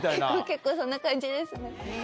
結構そんな感じですね。